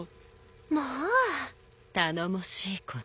まあ頼もしいこと。